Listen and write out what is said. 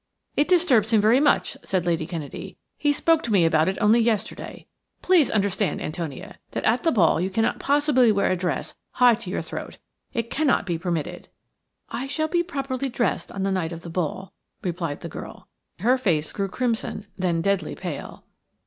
"It disturbs him very much," said Lady Kennedy. "He spoke to me about it only yesterday. Please understand, Antonia, that at the ball you cannot possibly wear a dress high to your throat. It cannot be permitted." "I shall be properly dressed on the night of the ball," replied the girl. Her face grew crimson, then deadly pale.